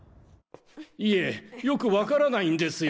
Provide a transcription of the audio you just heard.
いえよく分からないんですよ